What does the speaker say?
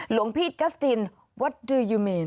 หลวงพี่กัสตินวัทดูยูมีน